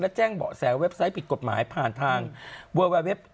และแจ้งเบาะแสเว็บไซต์ผิดกฎหมายผ่านทางเวอร์เว็บ